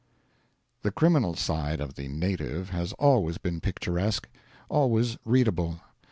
The criminal side of the native has always been picturesque, always readable.